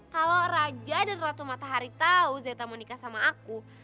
kalau raja dan ratu matahari tahu zeta mau nikah sama aku